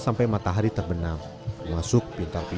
sampai matahari terbenam masuk pintar pintar